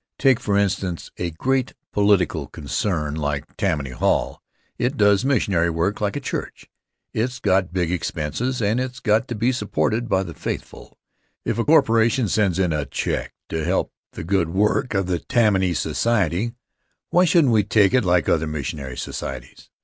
Take, for instance, a great political concern like Tammany Hall It does missionary work like a church, it's got big expenses and it's got to be supported by the faithful. If a corporation sends in a check to help the good work of the Tammany Society, why shouldn't we take it like other missionary societies?